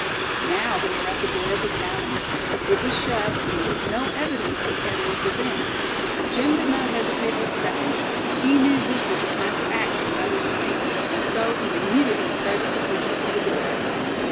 Now they were at the door of the cabin. It was shut, and there was no evidence that Cale was within. Jim did not hesitate a second. He knew this was a time for action rather than thinking; and so he immediately started to push open the door.